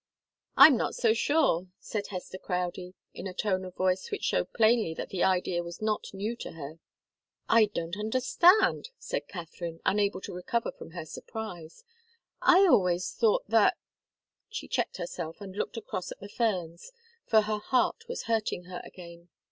"I'm not so sure," said Hester Crowdie, in a tone of voice which showed plainly that the idea was not new to her. "I don't understand," said Katharine, unable to recover from her surprise. "I always thought that " she checked herself and looked across at the ferns, for her heart was hurting her again.